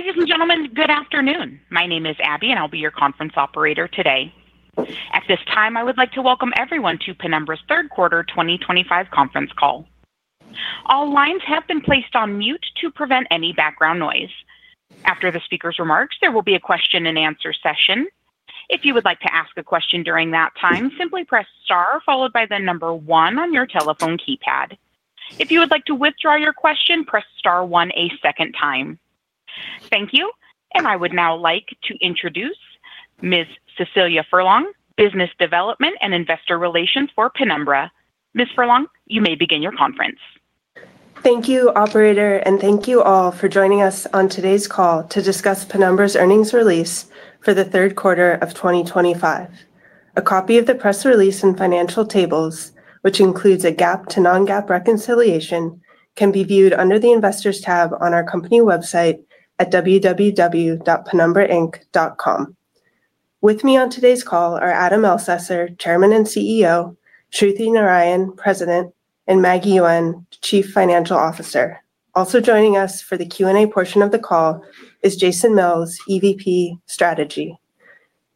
Ladies and gentlemen, good afternoon. My name is Abby, and I'll be your conference operator today. At this time, I would like to welcome everyone to Penumbra's third quarter 2025 conference call. All lines have been placed on mute to prevent any background noise. After the speaker's remarks, there will be a question-and-answer session. If you would like to ask a question during that time, simply press star followed by the number one on your telephone keypad. If you would like to withdraw your question, press star one a second time. Thank you, and I would now like to introduce Ms. Cecilia Furlong, Business Development and Investor Relations for Penumbra. Ms. Furlong, you may begin your conference. Thank you, Operator, and thank you all for joining us on today's call to discuss Penumbra's earnings release for the third quarter of 2025. A copy of the press release and financial tables, which includes a GAAP to non-GAAP reconciliation, can be viewed under the Investors tab on our company website at www.penumbrainc.com. With me on today's call are Adam Elsesser, Chairman and CEO; Shruthi Narayan, President; and Maggie Yuen, Chief Financial Officer. Also joining us for the Q&A portion of the call is Jason Mills, EVP Strategy.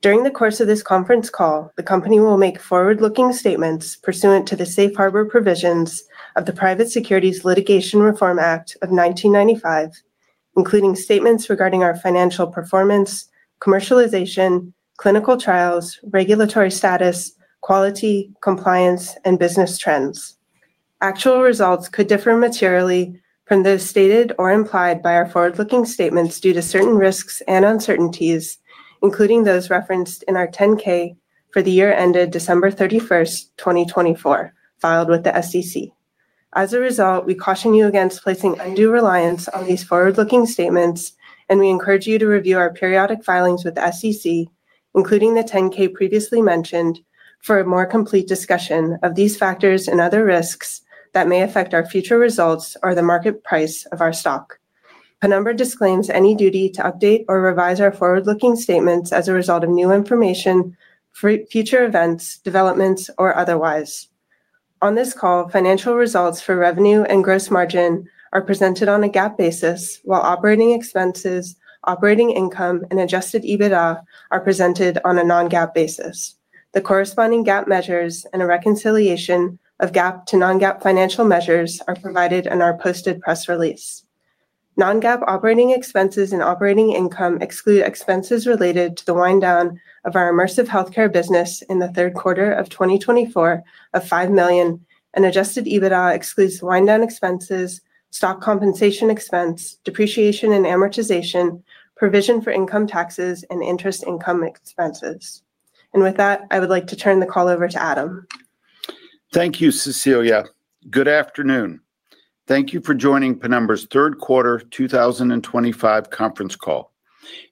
During the course of this conference call, the company will make forward-looking statements pursuant to the safe harbor provisions of the Private Securities Litigation Reform Act of 1995, including statements regarding our financial performance, commercialization, clinical trials, regulatory status, quality, compliance, and business trends. Actual results could differ materially from those stated or implied by our forward-looking statements due to certain risks and uncertainties, including those referenced in our 10-K for the year ended December 31, 2024, filed with the SEC. As a result, we caution you against placing undue reliance on these forward-looking statements, and we encourage you to review our periodic filings with the SEC, including the 10-K previously mentioned, for a more complete discussion of these factors and other risks that may affect our future results or the market price of our stock. Penumbra disclaims any duty to update or revise our forward-looking statements as a result of new information, future events, developments, or otherwise. On this call, financial results for revenue and gross margin are presented on a GAAP basis, while operating expenses, operating income, and adjusted EBITDA are presented on a non-GAAP basis. The corresponding GAAP measures and a reconciliation of GAAP to non-GAAP financial measures are provided in our posted press release. Non-GAAP operating expenses and operating income exclude expenses related to the wind down of our immersive healthcare business in the third quarter of 2024 of $5 million, and adjusted EBITDA excludes wind down expenses, stock compensation expense, depreciation and amortization, provision for income taxes, and interest income expenses. With that, I would like to turn the call over to Adam. Thank you, Cecilia. Good afternoon. Thank you for joining Penumbra's third quarter 2025 conference call.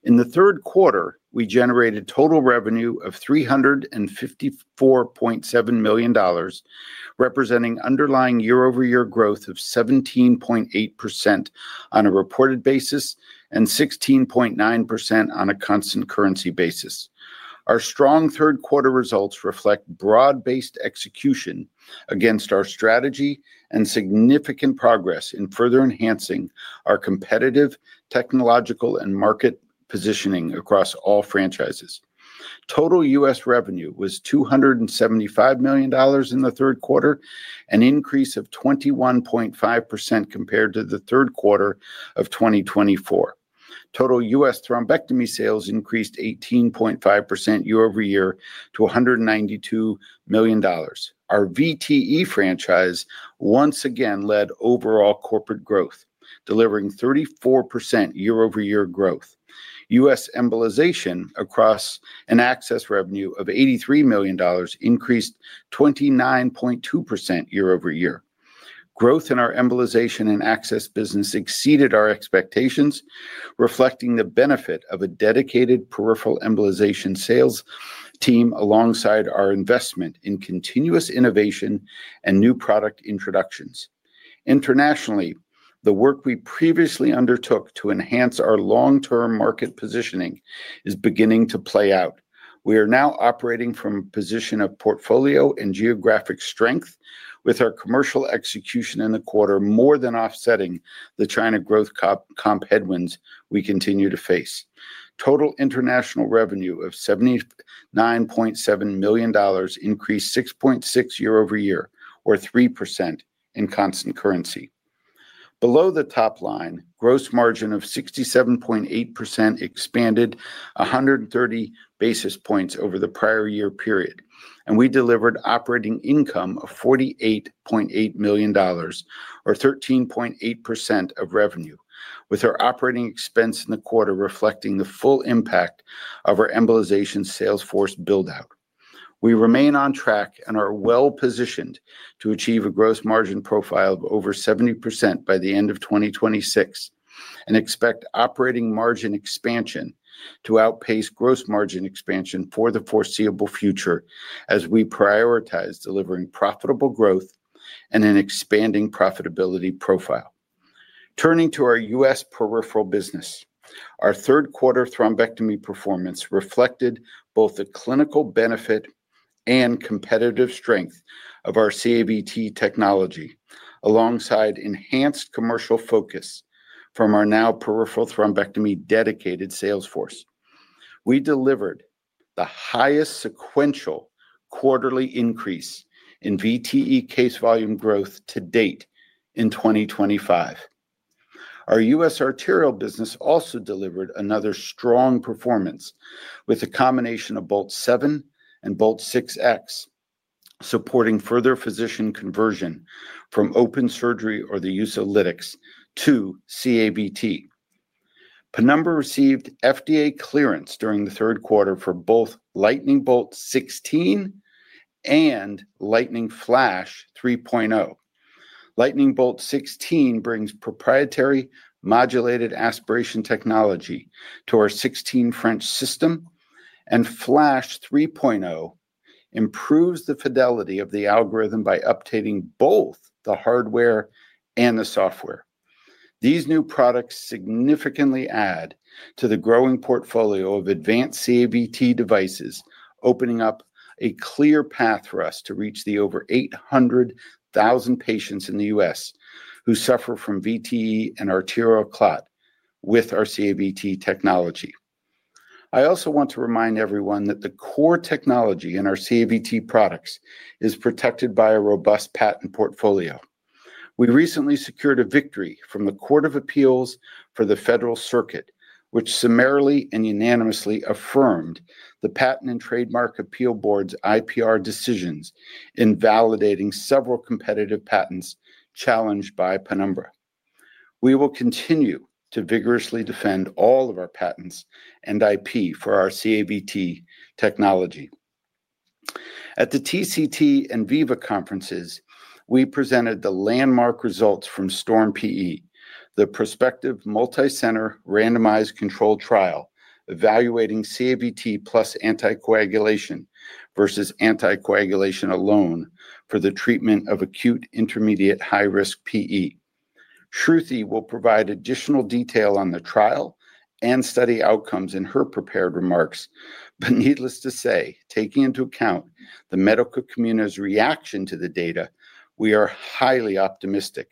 In the third quarter, we generated total revenue of $354.7 million, representing underlying year-over-year growth of 17.8% on a reported basis and 16.9% on a constant currency basis. Our strong third quarter results reflect broad-based execution against our strategy and significant progress in further enhancing our competitive technological and market positioning across all franchises. Total U.S. revenue was $275 million in the third quarter, an increase of 21.5% compared to the third quarter of 2024. Total U.S. thrombectomy sales increased 18.5% year-over-year to $192 million. Our VTE franchise once again led overall corporate growth, delivering 34% year-over-year growth. U.S. embolization and access revenue of $83 million increased 29.2% year-over-year. Growth in our embolization and access business exceeded our expectations, reflecting the benefit of a dedicated peripheral embolization sales team alongside our investment in continuous innovation and new product introductions. Internationally, the work we previously undertook to enhance our long-term market positioning is beginning to play out. We are now operating from a position of portfolio and geographic strength, with our commercial execution in the quarter more than offsetting the China growth comp headwinds we continue to face. Total international revenue of $79.7 million increased 6.6% year-over-year, or 3% in constant currency. Below the top line, gross margin of 67.8% expanded 130 basis points over the prior year period, and we delivered operating income of $48.8 million, or 13.8% of revenue, with our operating expense in the quarter reflecting the full impact of our embolization sales force buildout. We remain on track and are well-positioned to achieve a gross margin profile of over 70% by the end of 2026 and expect operating margin expansion to outpace gross margin expansion for the foreseeable future as we prioritize delivering profitable growth and an expanding profitability profile. Turning to our U.S. peripheral business. Our third quarter thrombectomy performance reflected both the clinical benefit and competitive strength of our CAVT technology alongside enhanced commercial focus from our now peripheral thrombectomy dedicated sales force. We delivered the highest sequential quarterly increase in VTE case volume growth to date in 2025. Our U.S. arterial business also delivered another strong performance with a combination of Bolt 7 and Bolt 6X, supporting further physician conversion from open surgery or the use of lytics to CAVT. Penumbra received FDA clearance during the third quarter for both Lightning Bolt 16 and Lightning Flash 3.0. Lightning Bolt 16 brings proprietary modulated aspiration technology to our 16-French system, and Flash 3.0 improves the fidelity of the algorithm by updating both the hardware and the software. These new products significantly add to the growing portfolio of advanced CAVT devices, opening up a clear path for us to reach the over 800,000 patients in the U.S. who suffer from VTE and arterial clot with our CAVT technology. I also want to remind everyone that the core technology in our CAVT products is protected by a robust patent portfolio. We recently secured a victory from the Court of Appeals for the Federal Circuit, which summarily and unanimously affirmed the Patent and Trademark Appeal Board's IPR decisions in validating several competitive patents challenged by Penumbra. We will continue to vigorously defend all of our patents and IP for our CAVT technology. At the TCT and Viva conferences, we presented the landmark results from STORM-PE, the prospective multi-center randomized control trial evaluating CAVT plus anticoagulation versus anticoagulation alone for the treatment of acute intermediate high-risk PE. Shruthi will provide additional detail on the trial and study outcomes in her prepared remarks. Needless to say, taking into account the medical community's reaction to the data, we are highly optimistic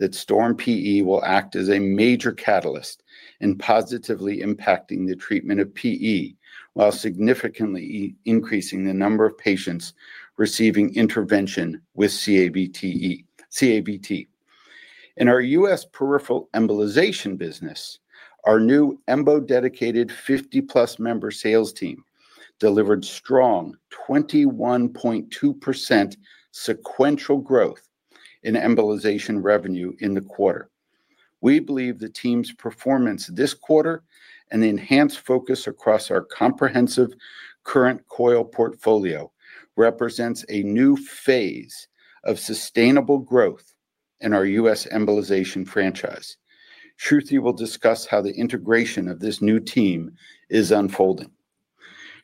that STORM-PE will act as a major catalyst in positively impacting the treatment of PE while significantly increasing the number of patients receiving intervention with CAVT. In our U.S. peripheral embolization business, our new embo-dedicated 50-plus member sales team delivered strong 21.2% sequential growth in embolization revenue in the quarter. We believe the team's performance this quarter and the enhanced focus across our comprehensive current coil portfolio represents a new phase of sustainable growth in our U.S. embolization franchise. Shruthi will discuss how the integration of this new team is unfolding.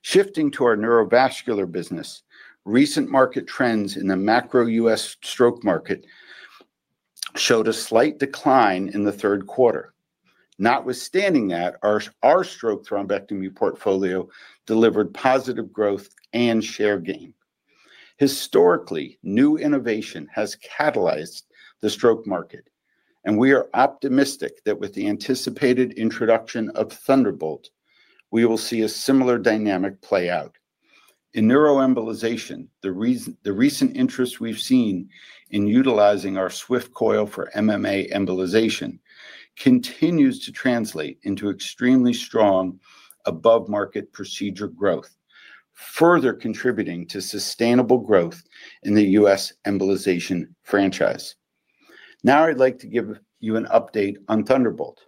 Shifting to our neurovascular business. Recent market trends in the macro U.S. stroke market showed a slight decline in the third quarter. Notwithstanding that, our stroke thrombectomy portfolio delivered positive growth and share gain. Historically, new innovation has catalyzed the stroke market, and we are optimistic that with the anticipated introduction of Thunderbolt, we will see a similar dynamic play out. In neuroembolization, the recent interest we've seen in utilizing our Swift Coil for MMA embolization continues to translate into extremely strong above-market procedure growth, further contributing to sustainable growth in the U.S. embolization franchise. Now, I'd like to give you an update on Thunderbolt.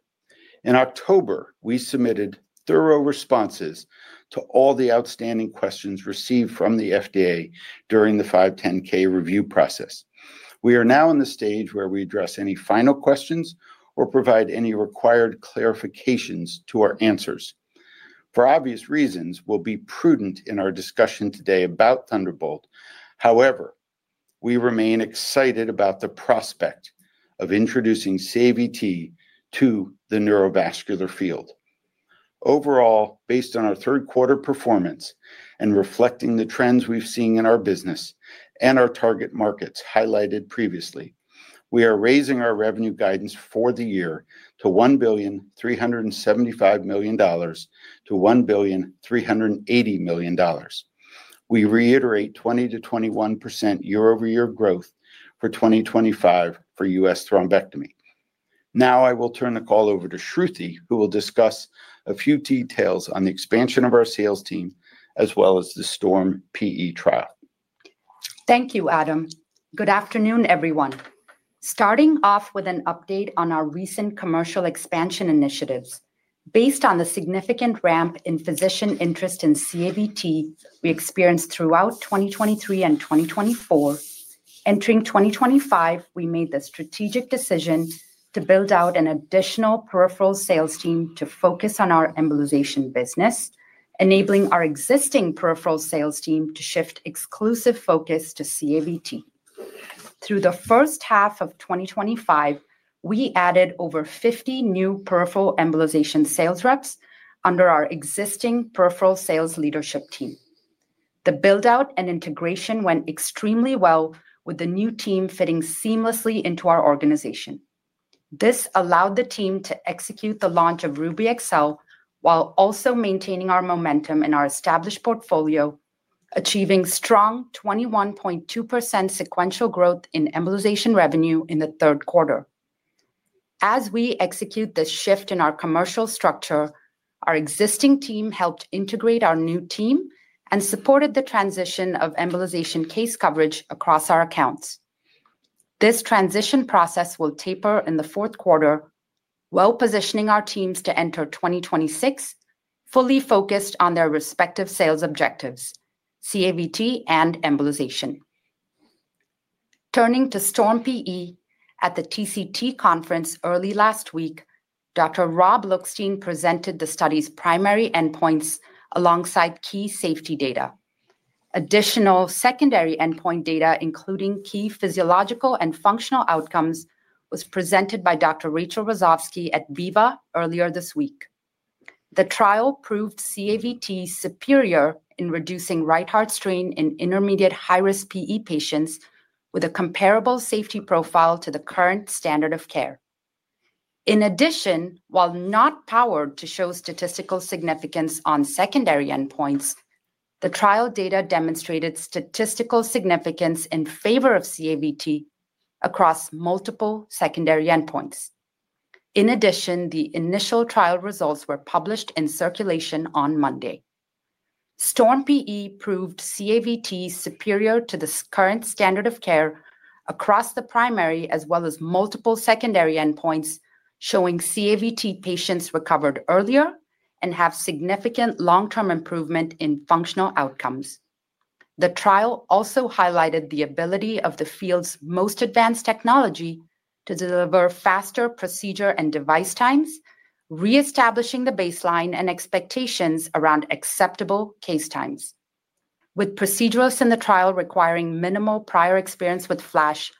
In October, we submitted thorough responses to all the outstanding questions received from the FDA during the 510(k) review process. We are now in the stage where we address any final questions or provide any required clarifications to our answers. For obvious reasons, we'll be prudent in our discussion today about Thunderbolt. However, we remain excited about the prospect of introducing CAVT to the neurovascular field. Overall, based on our third quarter performance and reflecting the trends we've seen in our business and our target markets highlighted previously, we are raising our revenue guidance for the year to $1,375,000,000-$1,380,000,000. We reiterate 20%-21% year-over-year growth for 2025 for U.S. thrombectomy. Now, I will turn the call over to Shruthi, who will discuss a few details on the expansion of our sales team as well as the STORM-PE trial. Thank you, Adam. Good afternoon, everyone. Starting off with an update on our recent commercial expansion initiatives. Based on the significant ramp in physician interest in CAVT we experienced throughout 2023 and 2024. Entering 2025, we made the strategic decision to build out an additional peripheral sales team to focus on our embolization business. Enabling our existing peripheral sales team to shift exclusive focus to CAVT. Through the first half of 2025, we added over 50 new peripheral embolization sales reps under our existing peripheral sales leadership team. The buildout and integration went extremely well, with the new team fitting seamlessly into our organization. This allowed the team to execute the launch of RubyXL while also maintaining our momentum in our established portfolio, achieving strong 21.2% sequential growth in embolization revenue in the third quarter. As we execute the shift in our commercial structure, our existing team helped integrate our new team and supported the transition of embolization case coverage across our accounts. This transition process will taper in the fourth quarter, well-positioning our teams to enter 2026 fully focused on their respective sales objectives: CAVT and embolization. Turning to STORM-PE, at the TCT conference early last week, Dr. Rob Lookstein presented the study's primary endpoints alongside key safety data. Additional secondary endpoint data, including key physiological and functional outcomes, was presented by Dr. Rachel Rosowski at Viva earlier this week. The trial proved CAVT superior in reducing right heart strain in intermediate high-risk PE patients with a comparable safety profile to the current standard of care. In addition, while not powered to show statistical significance on secondary endpoints, the trial data demonstrated statistical significance in favor of CAVT across multiple secondary endpoints. In addition, the initial trial results were published in Circulation on Monday. STORM-PE proved CAVT superior to the current standard of care across the primary as well as multiple secondary endpoints, showing CAVT patients recovered earlier and have significant long-term improvement in functional outcomes. The trial also highlighted the ability of the field's most advanced technology to deliver faster procedure and device times, reestablishing the baseline and expectations around acceptable case times. With procedurals in the trial requiring minimal prior experience with Flash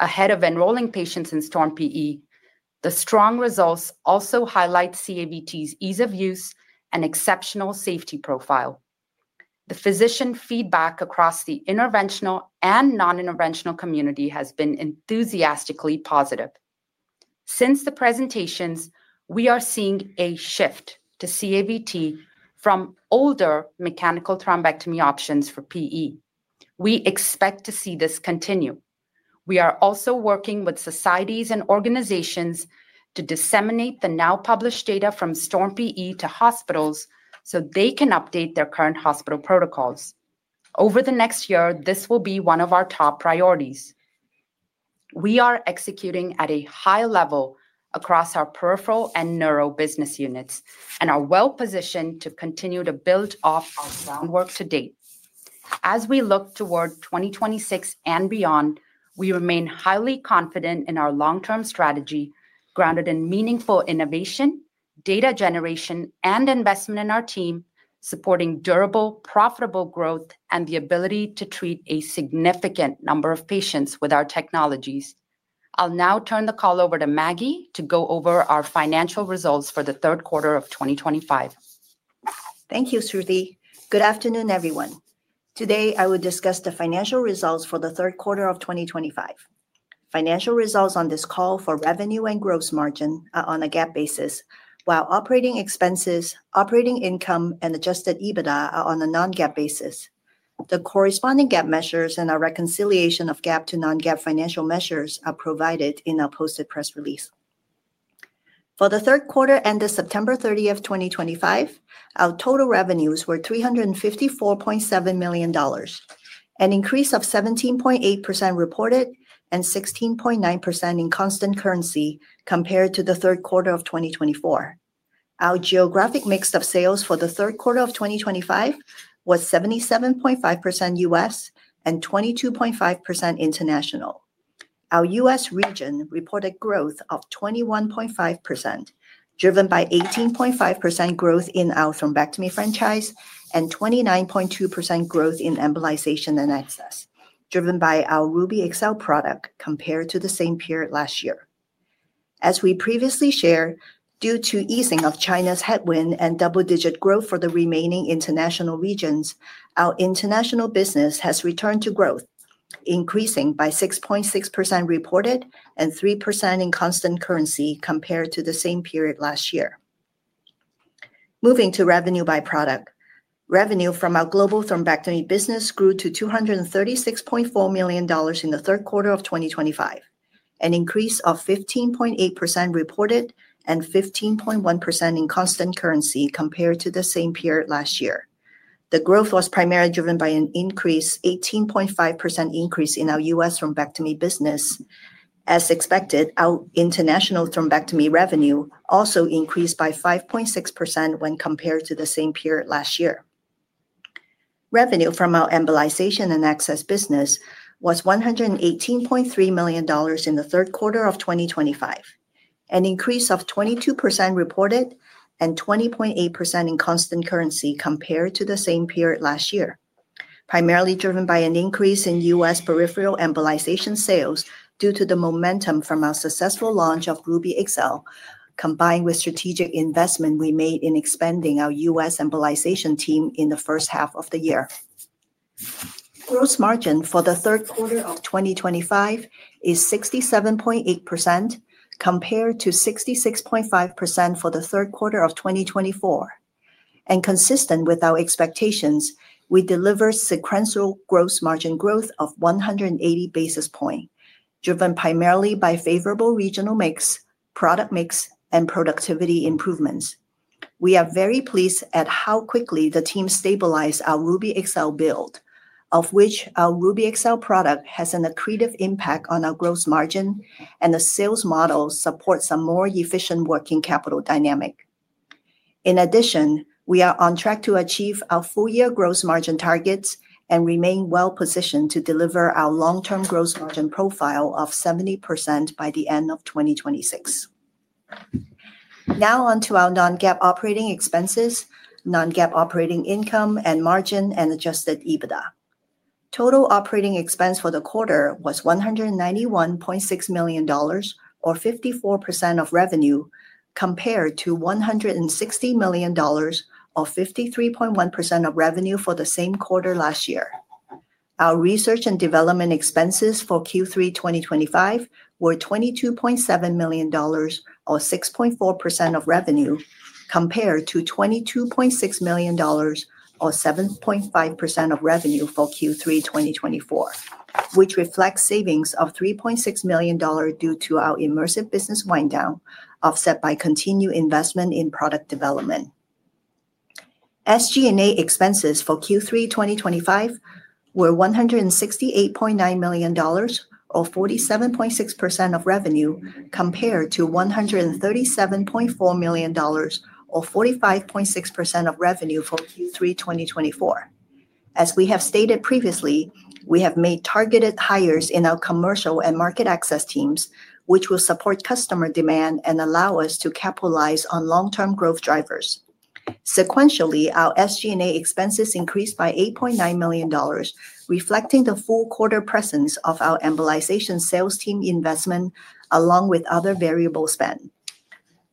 ahead of enrolling patients in STORM-PE, the strong results also highlight CAVT's ease of use and exceptional safety profile. The physician feedback across the interventional and non-interventional community has been enthusiastically positive. Since the presentations, we are seeing a shift to CAVT from older mechanical thrombectomy options for PE. We expect to see this continue. We are also working with societies and organizations to disseminate the now published data from STORM-PE to hospitals so they can update their current hospital protocols. Over the next year, this will be one of our top priorities. We are executing at a high level across our peripheral and neuro business units and are well-positioned to continue to build off our groundwork to date. As we look toward 2026 and beyond, we remain highly confident in our long-term strategy grounded in meaningful innovation, data generation, and investment in our team, supporting durable, profitable growth and the ability to treat a significant number of patients with our technologies. I'll now turn the call over to Maggie to go over our financial results for the third quarter of 2025. Thank you, Shruthi. Good afternoon, everyone. Today, I will discuss the financial results for the third quarter of 2025. Financial results on this call for revenue and gross margin are on a GAAP basis, while operating expenses, operating income, and adjusted EBITDA are on a non-GAAP basis. The corresponding GAAP measures and a reconciliation of GAAP to non-GAAP financial measures are provided in a posted press release. For the third quarter ended September 30, 2025, our total revenues were $354.7 million, an increase of 17.8% reported and 16.9% in constant currency compared to the third quarter of 2024. Our geographic mix of sales for the third quarter of 2025 was 77.5% U.S. and 22.5% international. Our U.S. region reported growth of 21.5%, driven by 18.5% growth in our thrombectomy franchise and 29.2% growth in embolization and access, driven by our RubyXL product compared to the same period last year. As we previously shared, due to easing of China's headwind and double-digit growth for the remaining international regions, our international business has returned to growth, increasing by 6.6% reported and 3% in constant currency compared to the same period last year. Moving to revenue by product, revenue from our global thrombectomy business grew to $236.4 million in the third quarter of 2025, an increase of 15.8% reported and 15.1% in constant currency compared to the same period last year. The growth was primarily driven by an 18.5% increase in our U.S. thrombectomy business. As expected, our international thrombectomy revenue also increased by 5.6% when compared to the same period last year. Revenue from our embolization and access business was $118.3 million in the third quarter of 2025. An increase of 22% reported and 20.8% in constant currency compared to the same period last year, primarily driven by an increase in U.S. peripheral embolization sales due to the momentum from our successful launch of RubyXL, combined with strategic investment we made in expanding our U.S. embolization team in the first half of the year. Gross margin for the third quarter of 2025 is 67.8%, compared to 66.5% for the third quarter of 2024. Consistent with our expectations, we deliver sequential gross margin growth of 180 basis points, driven primarily by favorable regional mix, product mix, and productivity improvements. We are very pleased at how quickly the team stabilized our RubyXL build, of which our RubyXL product has an accretive impact on our gross margin and the sales model supports a more efficient working capital dynamic. In addition, we are on track to achieve our full-year gross margin targets and remain well-positioned to deliver our long-term gross margin profile of 70% by the end of 2026. Now on to our non-GAAP operating expenses, non-GAAP operating income and margin, and adjusted EBITDA. Total operating expense for the quarter was $191.6 million, or 54% of revenue, compared to $160 million, or 53.1% of revenue for the same quarter last year. Our research and development expenses for Q3 2025 were $22.7 million, or 6.4% of revenue, compared to $22.6 million, or 7.5% of revenue for Q3 2024, which reflects savings of $3.6 million due to our immersive business wind-down offset by continued investment in product development. SG&A expenses for Q3 2025 were $168.9 million, or 47.6% of revenue, compared to $137.4 million, or 45.6% of revenue for Q3 2024. As we have stated previously, we have made targeted hires in our commercial and market access teams, which will support customer demand and allow us to capitalize on long-term growth drivers. Sequentially, our SG&A expenses increased by $8.9 million, reflecting the full quarter presence of our embolization sales team investment along with other variable spend.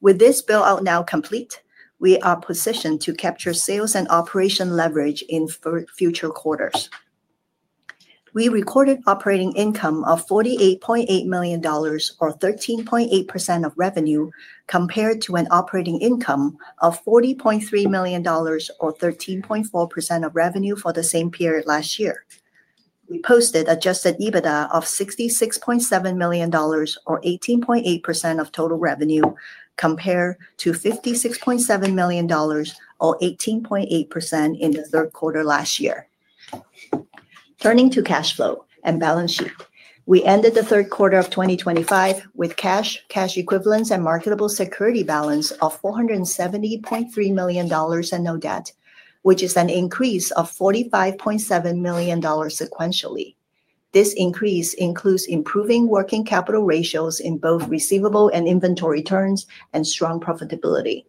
With this buildout now complete, we are positioned to capture sales and operation leverage in future quarters. We recorded operating income of $48.8 million, or 13.8% of revenue, compared to an operating income of $40.3 million, or 13.4% of revenue for the same period last year. We posted adjusted EBITDA of $66.7 million, or 18.8% of total revenue, compared to $56.7 million, or 18.8% in the third quarter last year. Turning to cash flow and balance sheet, we ended the third quarter of 2025 with cash, cash equivalents, and marketable security balance of $470.3 million and no debt, which is an increase of $45.7 million sequentially. This increase includes improving working capital ratios in both receivable and inventory terms and strong profitability.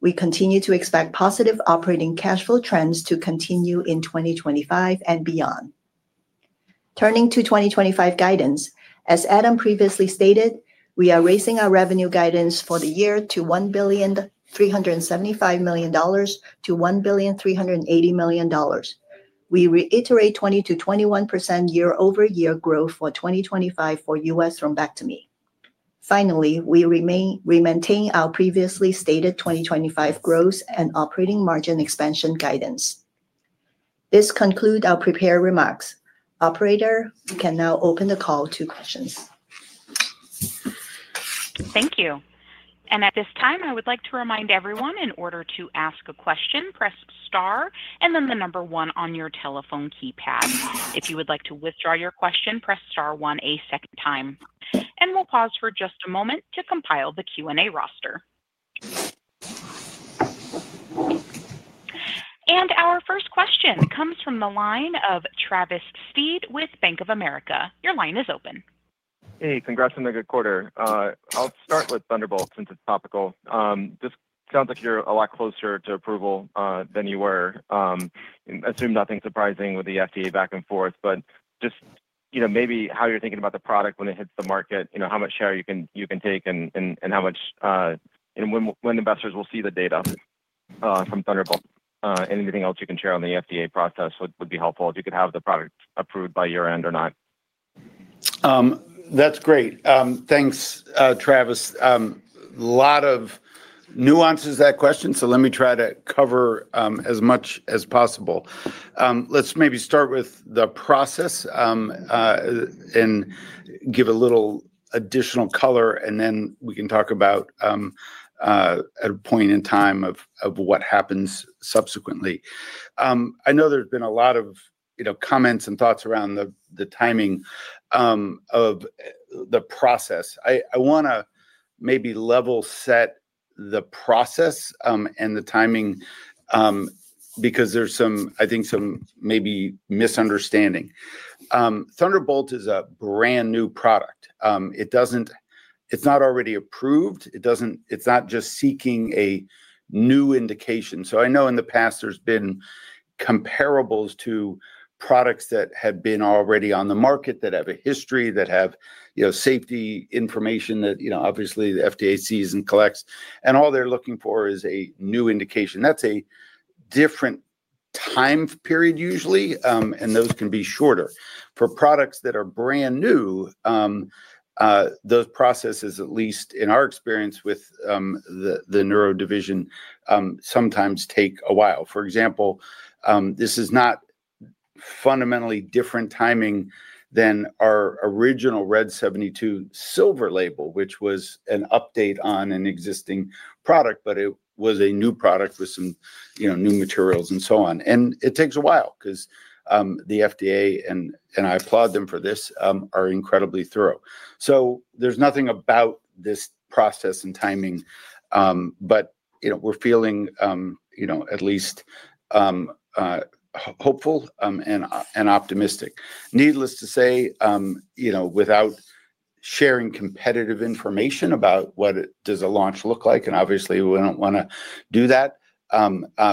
We continue to expect positive operating cash flow trends to continue in 2025 and beyond. Turning to 2025 guidance, as Adam previously stated, we are raising our revenue guidance for the year to $1,375,000,000-$1,380,000,000. We reiterate 20%-21% year-over-year growth for 2025 for U.S. thrombectomy. Finally, we maintain our previously stated 2025 growth and operating margin expansion guidance. This concludes our prepared remarks. Operator, you can now open the call to questions. Thank you. At this time, I would like to remind everyone, in order to ask a question, press Star and then the number one on your telephone keypad. If you would like to withdraw your question, press Star one a second time. We will pause for just a moment to compile the Q&A roster. Our first question comes from the line of Travis Steed with Bank of America. Your line is open. Hey, congrats on the good quarter. I'll start with Thunderbolt since it's topical. This sounds like you're a lot closer to approval than you were. I assume nothing surprising with the FDA back and forth, but just maybe how you're thinking about the product when it hits the market, how much share you can take and how much. When investors will see the data from Thunderbolt. Anything else you can share on the FDA process would be helpful if you could have the product approved by year end or not. That's great. Thanks, Travis. A lot of nuance to that question, so let me try to cover as much as possible. Let's maybe start with the process and give a little additional color, and then we can talk about at a point in time of what happens subsequently. I know there's been a lot of comments and thoughts around the timing of the process. I want to maybe level set the process and the timing because there's some, I think, some maybe misunderstanding. Thunderbolt is a brand new product. It's not already approved. It's not just seeking a new indication. I know in the past, there's been comparables to products that have been already on the market that have a history, that have safety information that obviously the FDA sees and collects, and all they're looking for is a new indication. That's a different. Time period usually, and those can be shorter. For products that are brand new, those processes, at least in our experience with the neuro division, sometimes take a while. For example, this is not fundamentally different timing than our original RED72 Silver Label, which was an update on an existing product, but it was a new product with some new materials and so on. It takes a while because the FDA, and I applaud them for this, are incredibly thorough. There is nothing about this process and timing, but we are feeling at least hopeful and optimistic. Needless to say, without sharing competitive information about what does a launch look like, and obviously, we do not want to do that.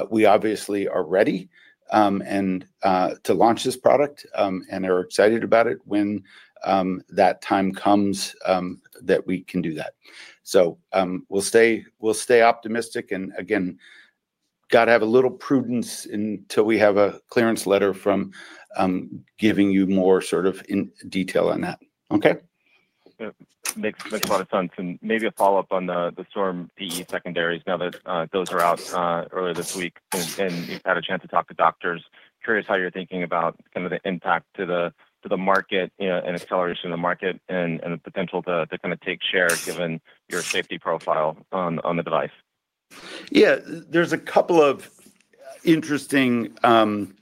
We obviously are ready to launch this product, and are excited about it when that time comes that we can do that. We will stay optimistic. Again. Got to have a little prudence until we have a clearance letter from, giving you more sort of detail on that. Okay? Makes a lot of sense. Maybe a follow-up on the STORM-PE secondaries now that those are out earlier this week and you've had a chance to talk to doctors. Curious how you're thinking about kind of the impact to the market and acceleration of the market and the potential to kind of take share given your safety profile on the device. Yeah, there's a couple of interesting and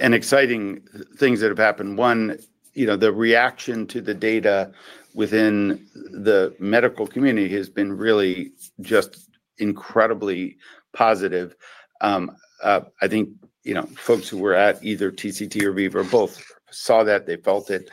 exciting things that have happened. One, the reaction to the data within the medical community has been really just incredibly positive. I think folks who were at either TCT or VIV or both saw that. They felt it.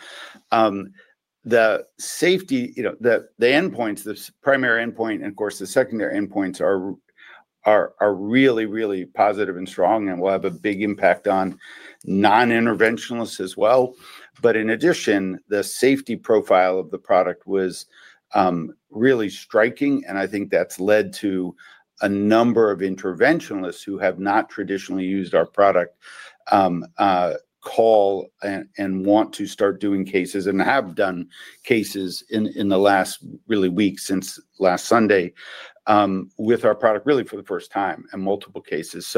The safety, the endpoints, the primary endpoint, and of course, the secondary endpoints are really, really positive and strong and will have a big impact on non-interventionalists as well. In addition, the safety profile of the product was really striking. I think that's led to a number of interventionalists who have not traditionally used our product call and want to start doing cases and have done cases in the last really week since last Sunday with our product really for the first time and multiple cases.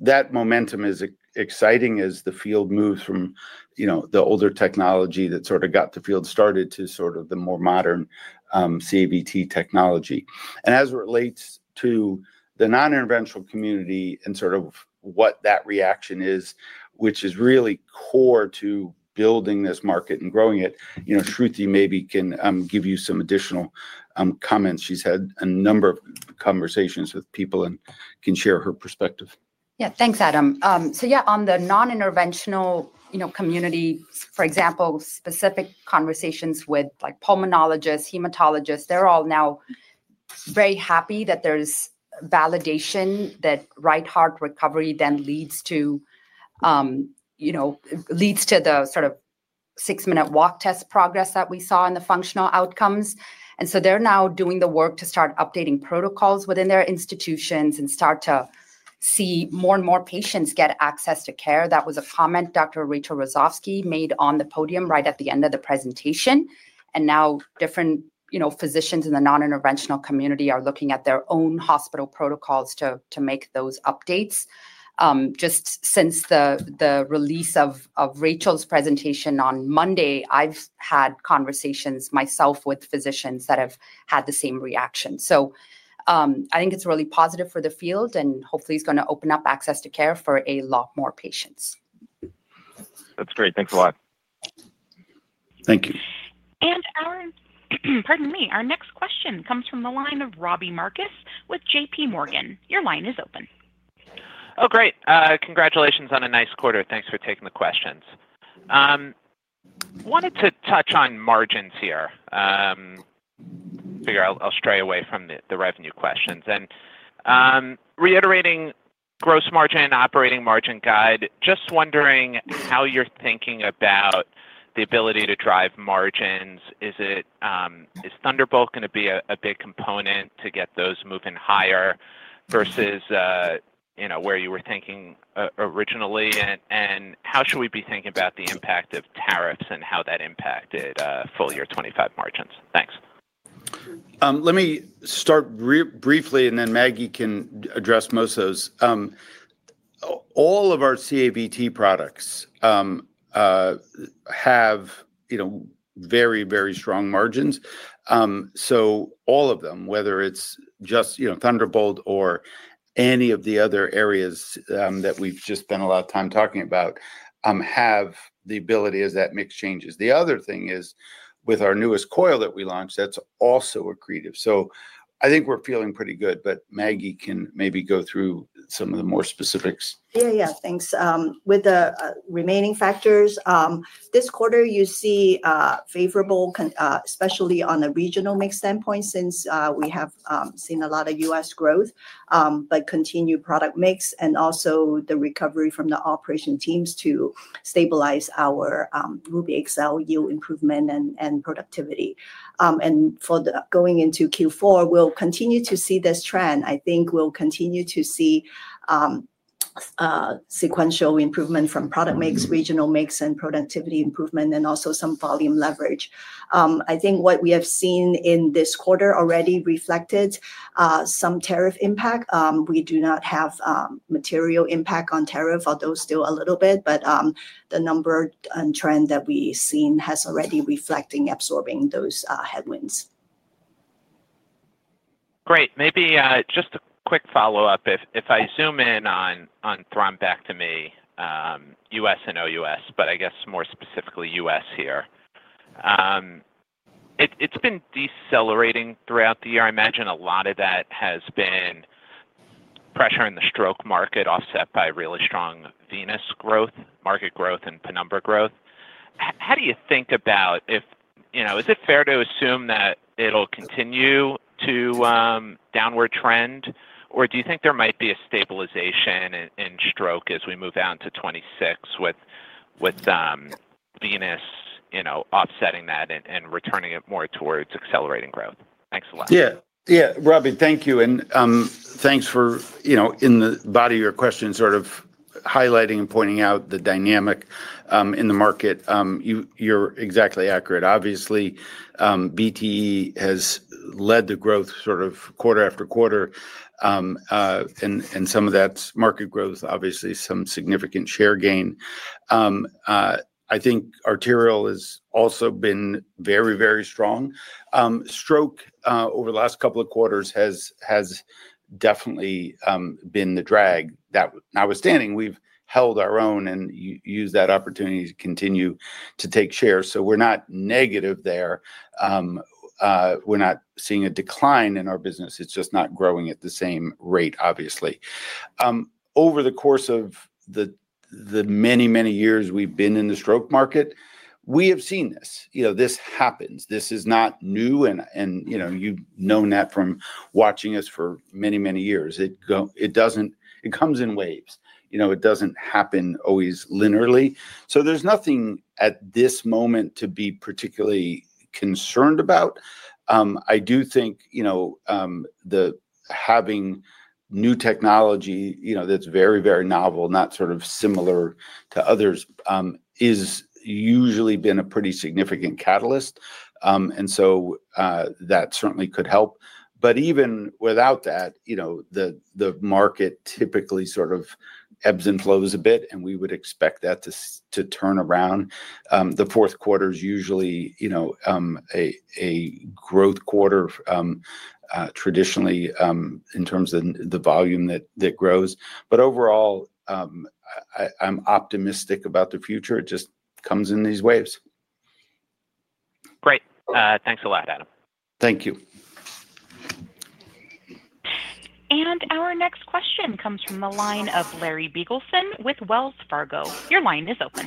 That momentum is exciting as the field moves from the older technology that sort of got the field started to sort of the more modern CAVT technology. As it relates to the non-interventional community and sort of what that reaction is, which is really core to building this market and growing it, Shruthi maybe can give you some additional comments. She's had a number of conversations with people and can share her perspective. Yeah, thanks, Adam. Yeah, on the non-interventional community, for example, specific conversations with pulmonologists, hematologists, they're all now very happy that there's validation that right heart recovery then leads to the sort of six-minute walk test progress that we saw in the functional outcomes. They're now doing the work to start updating protocols within their institutions and start to see more and more patients get access to care. That was a comment Dr. Rachel Rosowski made on the podium right at the end of the presentation. Now different physicians in the non-interventional community are looking at their own hospital protocols to make those updates. Just since the release of Rachel's presentation on Monday, I've had conversations myself with physicians that have had the same reaction. I think it's really positive for the field and hopefully it's going to open up access to care for a lot more patients. That's great. Thanks a lot. Thank you. Our, pardon me, our next question comes from the line of Robbie Marcus with JPMorgan. Your line is open. Oh, great. Congratulations on a nice quarter. Thanks for taking the questions. Wanted to touch on margins here. Figure I'll stray away from the revenue questions. Reiterating gross margin, operating margin guide, just wondering how you're thinking about the ability to drive margins. Is Thunderbolt going to be a big component to get those moving higher versus where you were thinking originally? How should we be thinking about the impact of tariffs and how that impacted full-year 2025 margins? Thanks. Let me start briefly and then Maggie can address most of those. All of our CAVT products have very, very strong margins. So all of them, whether it's just Thunderbolt or any of the other areas that we've just spent a lot of time talking about, have the ability as that mix changes. The other thing is with our newest coil that we launched, that's also accretive. I think we're feeling pretty good, but Maggie can maybe go through some of the more specifics. Yeah, yeah, thanks. With the remaining factors, this quarter you see favorable, especially on a regional mix standpoint since we have seen a lot of U.S. growth, but continued product mix and also the recovery from the operation teams to stabilize our RubyXL yield improvement and productivity. For going into Q4, we'll continue to see this trend. I think we'll continue to see sequential improvement from product mix, regional mix, and productivity improvement, and also some volume leverage. I think what we have seen in this quarter already reflected some tariff impact. We do not have material impact on tariff, although still a little bit, but the number and trend that we've seen has already reflected absorbing those headwinds. Great. Maybe just a quick follow-up. If I zoom in on thrombectomy. U.S. and OUS, but I guess more specifically U.S. here. It's been decelerating throughout the year. I imagine a lot of that has been pressure in the stroke market offset by really strong venous growth, market growth, and Penumbra growth. How do you think about, is it fair to assume that it'll continue to downward trend, or do you think there might be a stabilization in stroke as we move down to 2026 with venous offsetting that and returning it more towards accelerating growth? Thanks a lot. Yeah, yeah, Robbie, thank you. And thanks for, in the body of your question, sort of highlighting and pointing out the dynamic in the market. You're exactly accurate. Obviously, VTE has led the growth sort of quarter after quarter, and some of that's market growth, obviously some significant share gain. I think arterial has also been very, very strong. Stroke over the last couple of quarters has definitely been the drag. Notwithstanding, we've held our own and used that opportunity to continue to take share. So we're not negative there. We're not seeing a decline in our business. It's just not growing at the same rate, obviously. Over the course of the many, many years we've been in the stroke market, we have seen this. This happens. This is not new, and you've known that from watching us for many, many years. It comes in waves. It doesn't happen always linearly. So there's nothing at this moment to be particularly concerned about. I do think the having new technology that's very, very novel, not sort of similar to others, has usually been a pretty significant catalyst. And so that certainly could help. But even without that, the market typically sort of ebbs and flows a bit, and we would expect that to turn around. The fourth quarter is usually a growth quarter, traditionally in terms of the volume that grows. But overall, I'm optimistic about the future. It just comes in these waves. Great. Thanks a lot, Adam. Thank you. Our next question comes from the line of Larry Biegelsen with Wells Fargo. Your line is open.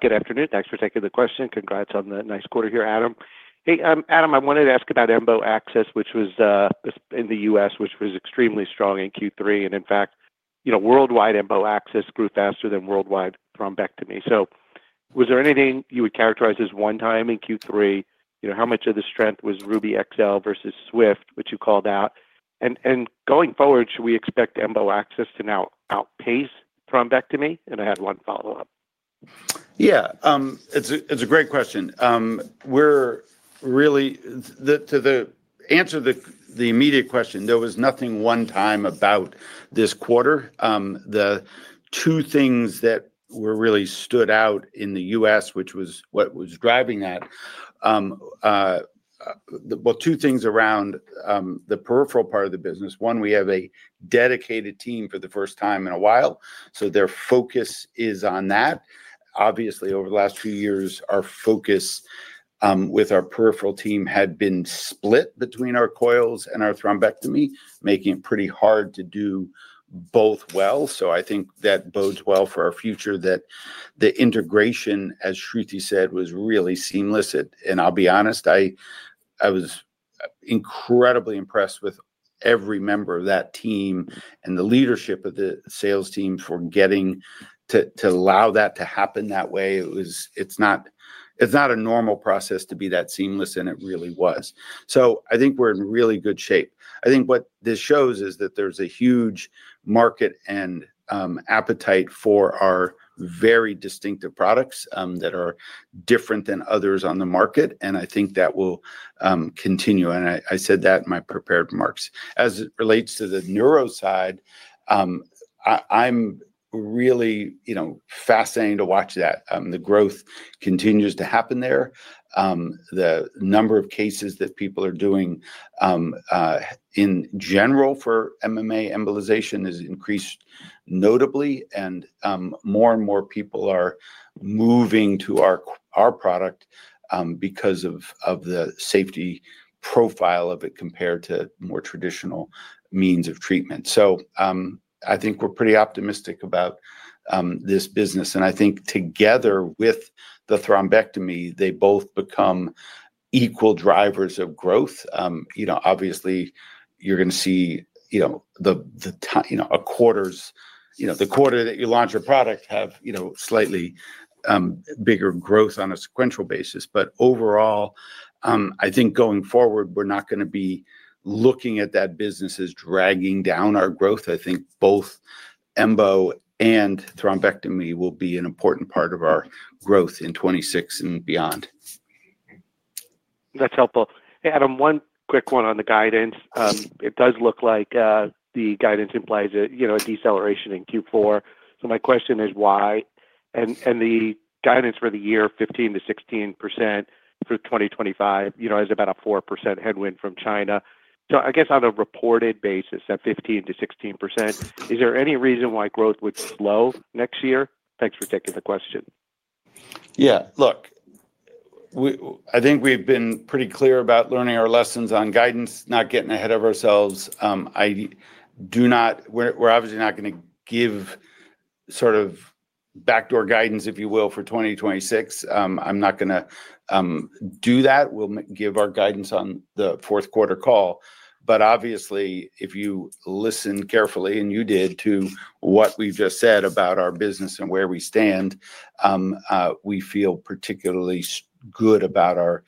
Good afternoon. Thanks for taking the question. Congrats on the nice quarter here, Adam. Hey, Adam, I wanted to ask about MBO access, which was in the U.S., which was extremely strong in Q3. In fact, worldwide MBO access grew faster than worldwide thrombectomy. Was there anything you would characterize as one time in Q3? How much of the strength was RubyXL versus Swift, which you called out? Going forward, should we expect MBO access to now outpace thrombectomy? I had one follow-up. Yeah, it's a great question. To answer the immediate question, there was nothing one time about this quarter. The two things that really stood out in the U.S., which was what was driving that. Two things around the peripheral part of the business. One, we have a dedicated team for the first time in a while. Their focus is on that. Obviously, over the last few years, our focus with our peripheral team had been split between our coils and our thrombectomy, making it pretty hard to do both well. I think that bodes well for our future, that the integration, as Shruthi said, was really seamless. I'll be honest, I was incredibly impressed with every member of that team and the leadership of the sales team for getting to allow that to happen that way. It's not. A normal process to be that seamless, and it really was. I think we're in really good shape. I think what this shows is that there's a huge market and appetite for our very distinctive products that are different than others on the market. I think that will continue. I said that in my prepared remarks. As it relates to the neuro side, I'm really fascinated to watch that. The growth continues to happen there. The number of cases that people are doing in general for MMA embolization has increased notably, and more and more people are moving to our product because of the safety profile of it compared to more traditional means of treatment. I think we're pretty optimistic about this business. I think together with the thrombectomy, they both become equal drivers of growth. Obviously, you're going to see the. A quarter is the quarter that you launch a product, have slightly bigger growth on a sequential basis. Overall, I think going forward, we're not going to be looking at that business as dragging down our growth. I think both MBO and thrombectomy will be an important part of our growth in 2026 and beyond. That's helpful. Hey, Adam, one quick one on the guidance. It does look like the guidance implies a deceleration in Q4. My question is why? The guidance for the year 15-16% for 2025 is about a 4% headwind from China. I guess on a reported basis at 15%-16%, is there any reason why growth would slow next year? Thanks for taking the question. Yeah, look. I think we've been pretty clear about learning our lessons on guidance, not getting ahead of ourselves. We're obviously not going to give sort of backdoor guidance, if you will, for 2026. I'm not going to do that. We'll give our guidance on the fourth quarter call. Obviously, if you listen carefully, and you did, to what we've just said about our business and where we stand. We feel particularly good about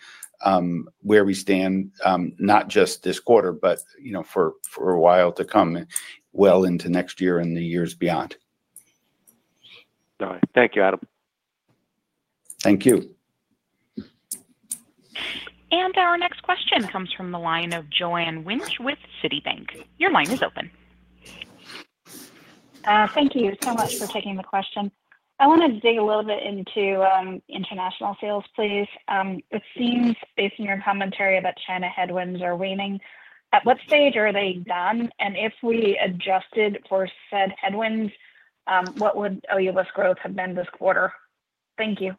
where we stand, not just this quarter, but for a while to come, well into next year and the years beyond. All right. Thank you, Adam. Thank you. Our next question comes from the line of Joanne Wuensch with Citibank. Your line is open. Thank you so much for taking the question. I want to dig a little bit into international sales, please. It seems, based on your commentary, that China headwinds are waning. At what stage are they done? If we adjusted for said headwinds, what would OUS growth have been this quarter? Thank you.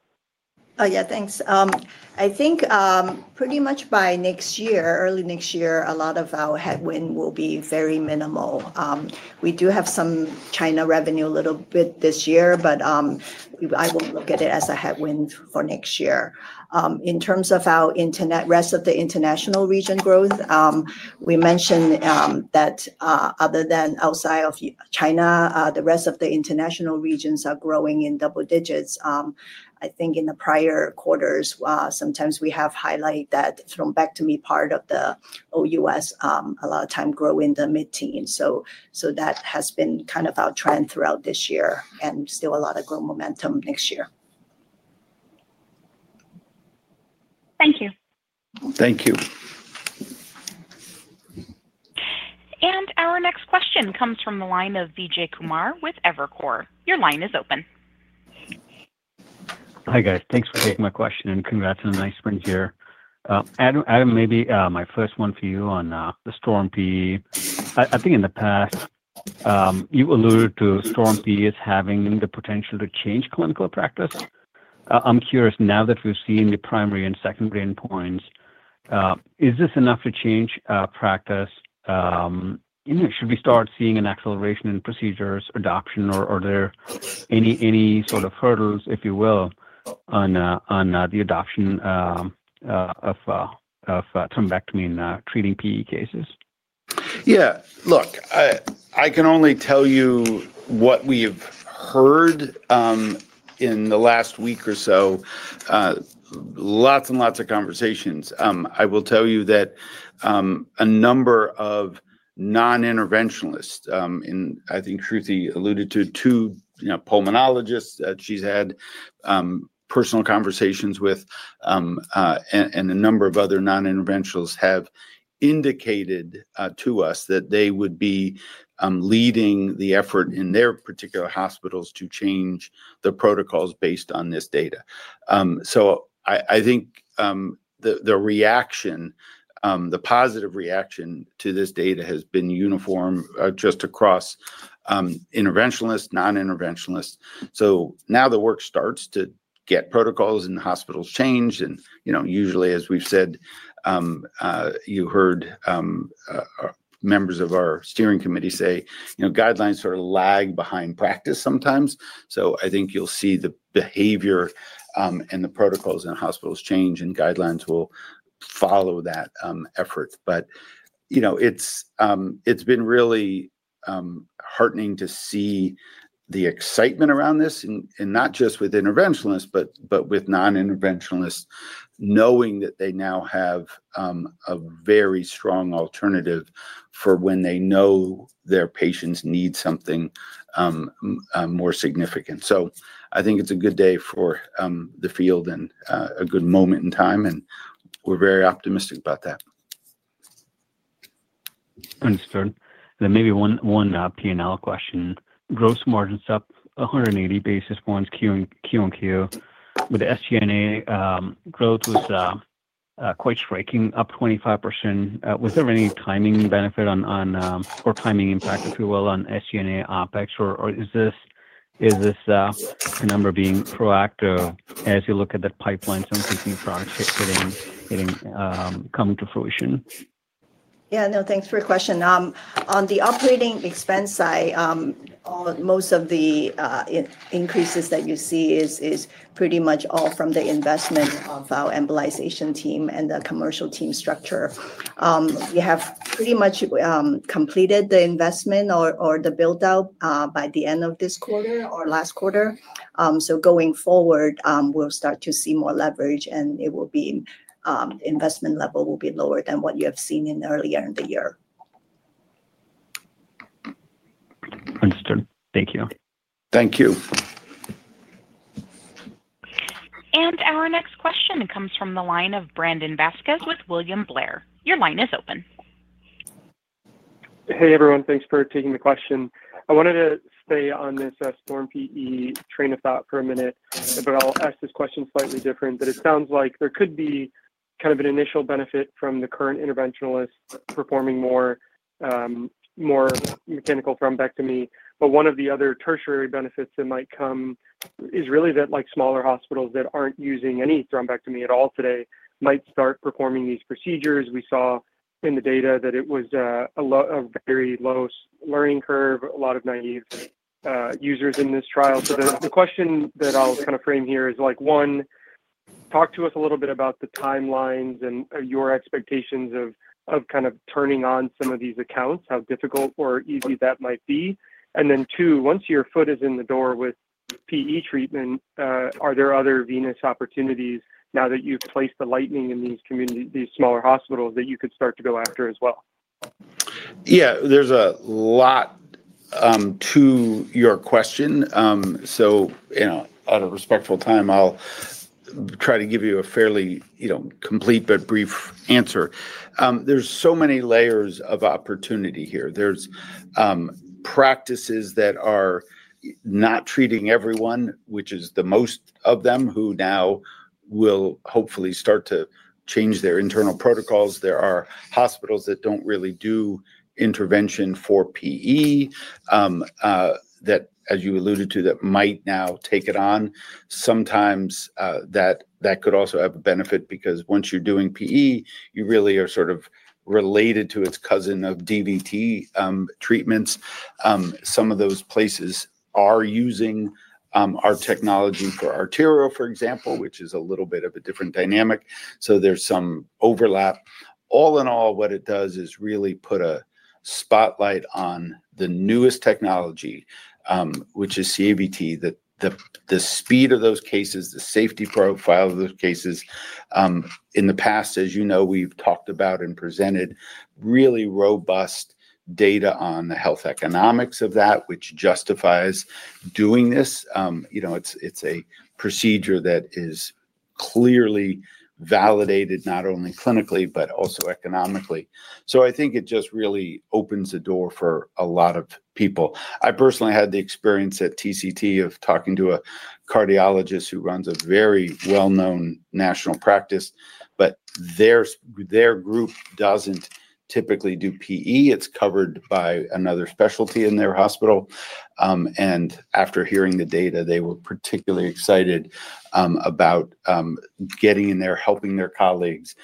Oh, yeah, thanks. I think. Pretty much by next year, early next year, a lot of our headwind will be very minimal. We do have some China revenue a little bit this year, but. I will look at it as a headwind for next year. In terms of our rest of the international region growth, we mentioned that. Other than outside of China, the rest of the international regions are growing in double digits. I think in the prior quarters, sometimes we have highlighted that thrombectomy part of the OUS a lot of time grow in the mid-teens. So that has been kind of our trend throughout this year and still a lot of growth momentum next year. Thank you. Thank you. Our next question comes from the line of Vijay Kumar with Evercore. Your line is open. Hi guys. Thanks for taking my question and congrats on a nice spring year. Adam, maybe my first one for you on the STORM-PE. I think in the past you alluded to STORM-PE as having the potential to change clinical practice. I'm curious, now that we've seen the primary and secondary endpoints, is this enough to change practice? Should we start seeing an acceleration in procedures adoption, or are there any sort of hurdles, if you will, on the adoption of thrombectomy and treating PE cases? Yeah, look, I can only tell you what we've heard in the last week or so. Lots and lots of conversations. I will tell you that a number of non-interventionalists, and I think Shruthi alluded to two pulmonologists that she's had personal conversations with, and a number of other non-interventionalists have indicated to us that they would be leading the effort in their particular hospitals to change the protocols based on this data. I think the reaction, the positive reaction to this data has been uniform just across interventionalists, non-interventionalists. Now the work starts to get protocols in the hospitals changed. Usually, as we've said, you heard members of our steering committee say guidelines sort of lag behind practice sometimes. I think you'll see the behavior and the protocols in hospitals change, and guidelines will follow that effort. It's been really. Heartening to see the excitement around this, and not just with interventionalists, but with non-interventionalists knowing that they now have a very strong alternative for when they know their patients need something more significant. I think it's a good day for the field and a good moment in time. We're very optimistic about that. Understood. And then maybe one P&L question. Gross margins up 180 basis points Q&Q. With SG&A, growth was quite striking, up 25%. Was there any timing benefit or timing impact, if you will, on SG&A OpEx? Or is this a number being proactive as you look at the pipeline, some PP products coming to fruition? Yeah, no, thanks for your question. On the operating expense side, most of the increases that you see is pretty much all from the investment of our embolization team and the commercial team structure. We have pretty much completed the investment or the build-out by the end of this quarter or last quarter. Going forward, we'll start to see more leverage, and it will be, the investment level will be lower than what you have seen earlier in the year. Understood. Thank you. Thank you. Our next question comes from the line of Brandon Vazquez with William Blair. Your line is open. Hey, everyone. Thanks for taking the question. I wanted to stay on this STORM-PE train of thought for a minute, but I'll ask this question slightly different. It sounds like there could be kind of an initial benefit from the current interventionalists performing more mechanical thrombectomy. One of the other tertiary benefits that might come is really that smaller hospitals that aren't using any thrombectomy at all today might start performing these procedures. We saw in the data that it was a very low learning curve, a lot of naive users in this trial. The question that I'll kind of frame here is, one, talk to us a little bit about the timelines and your expectations of kind of turning on some of these accounts, how difficult or easy that might be. Once your foot is in the door with PE treatment, are there other venous opportunities now that you've placed the Lightning in these smaller hospitals that you could start to go after as well? Yeah, there's a lot. To your question. At a respectful time, I'll try to give you a fairly complete but brief answer. There's so many layers of opportunity here. There's practices that are not treating everyone, which is most of them, who now will hopefully start to change their internal protocols. There are hospitals that do not really do intervention for PE, that, as you alluded to, might now take it on. Sometimes that could also have a benefit because once you're doing PE, you really are sort of related to its cousin of DVT treatments. Some of those places are using our technology for arterial, for example, which is a little bit of a different dynamic. There's some overlap. All in all, what it does is really put a spotlight on the newest technology, which is CAVT. The speed of those cases, the safety profile of those cases. In the past, as you know, we've talked about and presented really robust data on the health economics of that, which justifies doing this. It's a procedure that is clearly validated not only clinically, but also economically. I think it just really opens the door for a lot of people. I personally had the experience at TCT of talking to a cardiologist who runs a very well-known national practice, but their group doesn't typically do PE. It's covered by another specialty in their hospital. After hearing the data, they were particularly excited about getting in there, helping their colleagues,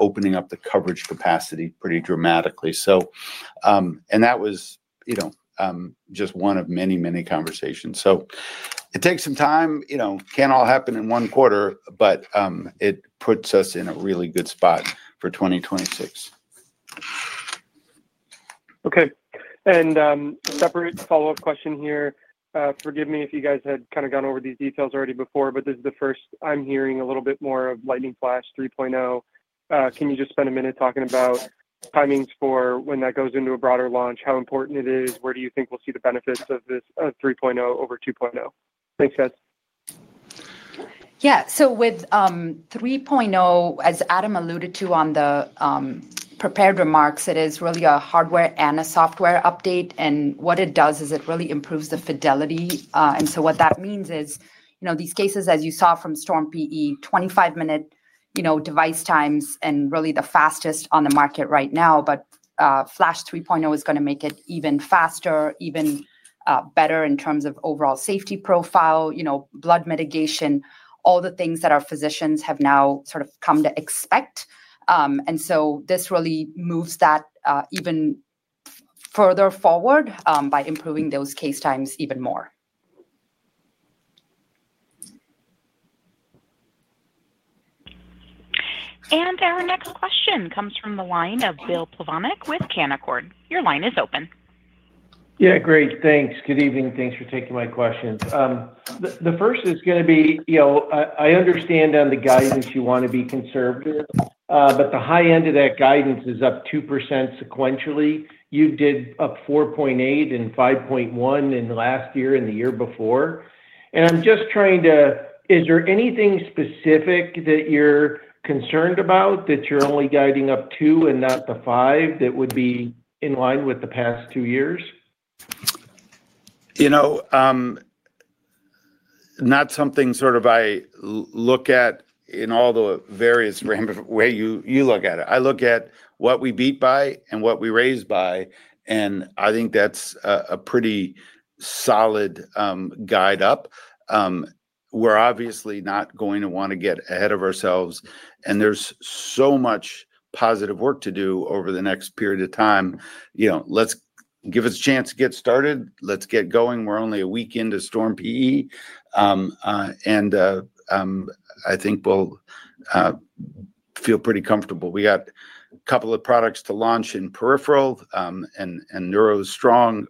opening up the coverage capacity pretty dramatically. That was just one of many, many conversations. It takes some time. Can't all happen in one quarter, but it puts us in a really good spot for 2026. Okay. A separate follow-up question here. Forgive me if you guys had kind of gone over these details already before, but this is the first I'm hearing a little bit more of Lightning Flash 3.0. Can you just spend a minute talking about timings for when that goes into a broader launch, how important it is, where do you think we'll see the benefits of 3.0 over 2.0? Thanks, guys. Yeah. With 3.0, as Adam alluded to on the prepared remarks, it is really a hardware and a software update. What it does is it really improves the fidelity. What that means is these cases, as you saw from STORM-PE, 25-minute device times and really the fastest on the market right now. Flash 3.0 is going to make it even faster, even better in terms of overall safety profile, blood mitigation, all the things that our physicians have now sort of come to expect. This really moves that even further forward by improving those case times even more. Our next question comes from the line of Bill Plovanic with Canaccord. Your line is open. Yeah, great. Thanks. Good evening. Thanks for taking my questions. The first is going to be, I understand on the guidance you want to be conservative, but the high end of that guidance is up 2% sequentially. You did up 4.8% and 5.1% in the last year and the year before. And I'm just trying to, is there anything specific that you're concerned about that you're only guiding up 2% and not the 5% that would be in line with the past two years? Not something sort of I look at in all the various ways you look at it. I look at what we beat by and what we raise by. I think that's a pretty solid guide up. We're obviously not going to want to get ahead of ourselves. There is so much positive work to do over the next period of time. Let's give us a chance to get started. Let's get going. We're only a week into STORM-PE. I think we'll feel pretty comfortable. We got a couple of products to launch in peripheral and neuro strong.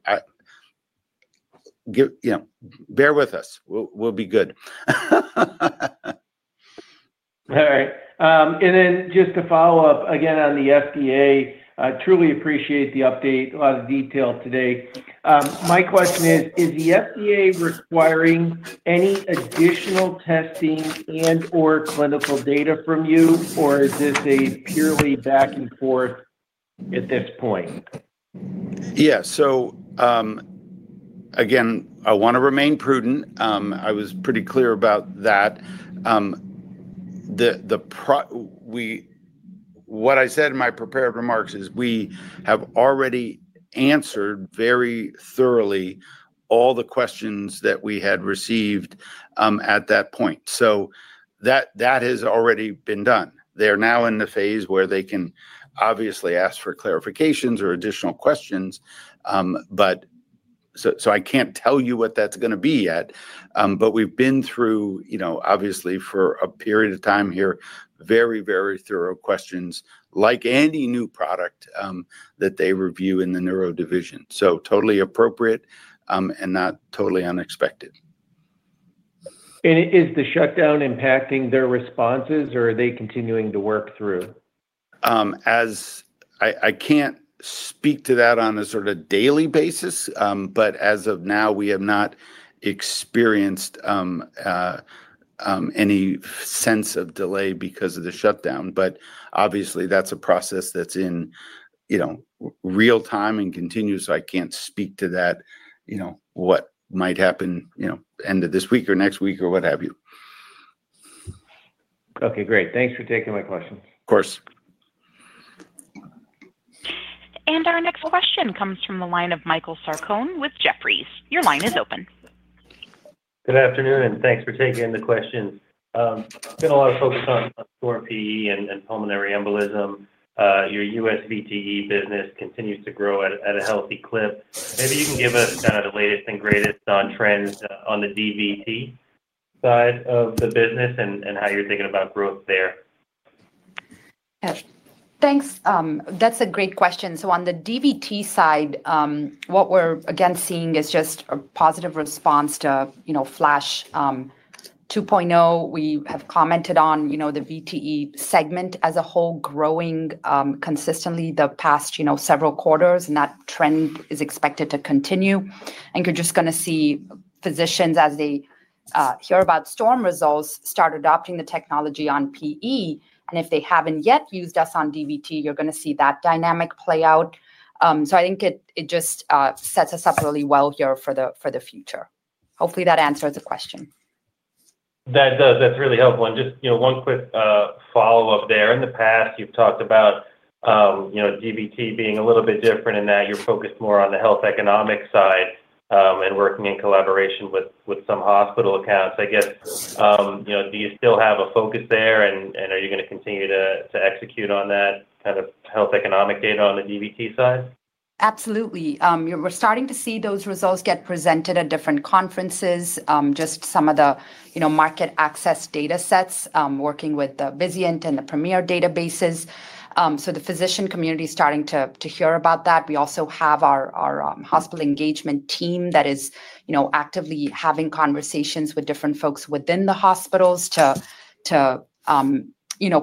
Bear with us. We'll be good. All right. Just to follow up, again, on the FDA, truly appreciate the update, a lot of detail today. My question is, is the FDA requiring any additional testing and/or clinical data from you, or is this a purely back and forth at this point? Yeah. Again, I want to remain prudent. I was pretty clear about that. What I said in my prepared remarks is we have already answered very thoroughly all the questions that we had received at that point. That has already been done. They're now in the phase where they can obviously ask for clarifications or additional questions. I can't tell you what that's going to be yet. We've been through, obviously, for a period of time here, very, very thorough questions, like any new product that they review in the neuro division. Totally appropriate and not totally unexpected. Is the shutdown impacting their responses, or are they continuing to work through? I can't speak to that on a sort of daily basis, but as of now, we have not experienced any sense of delay because of the shutdown. Obviously, that's a process that's in real time and continuous. I can't speak to that, what might happen end of this week or next week or what have you. Okay, great. Thanks for taking my questions. Of course. Our next question comes from the line of Michael Sarcone with Jefferies. Your line is open. Good afternoon, and thanks for taking the questions. It's been a lot of focus on STORM-PE and pulmonary embolism. Your U.S. VTE business continues to grow at a healthy clip. Maybe you can give us kind of the latest and greatest on trends on the DVT side of the business and how you're thinking about growth there. Thanks. That's a great question. On the DVT side, what we're again seeing is just a positive response to Flash 2.0. We have commented on the VTE segment as a whole growing consistently the past several quarters, and that trend is expected to continue. You're just going to see physicians, as they hear about Storm results, start adopting the technology on PE. If they haven't yet used us on DVT, you're going to see that dynamic play out. I think it just sets us up really well here for the future. Hopefully, that answers the question. That does. That's really helpful. Just one quick follow-up there. In the past, you've talked about DVT being a little bit different in that you're focused more on the health economic side and working in collaboration with some hospital accounts. I guess. Do you still have a focus there, and are you going to continue to execute on that kind of health economic data on the DVT side? Absolutely. We're starting to see those results get presented at different conferences, just some of the market access data sets, working with the Vizient and the Premier databases. The physician community is starting to hear about that. We also have our hospital engagement team that is actively having conversations with different folks within the hospitals to